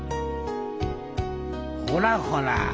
ほらほら